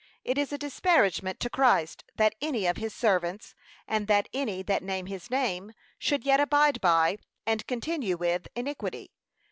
It is a disparagement to Christ, that any of his servants, and that any that name his name, should yet abide by, and continue with, iniquity.